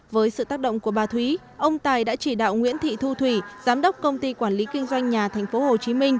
với sự tác động của bà thúy ông tài đã chỉ đạo nguyễn thị thu thủy giám đốc công ty quản lý kinh doanh nhà tp hcm